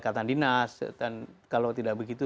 kartan dinas dan kalau tidak begitu